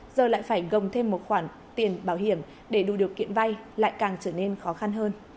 giờ lại phải gồng thêm một khoản tiền bảo hiểm để đủ điều kiện vay lại càng trở nên khó khăn hơn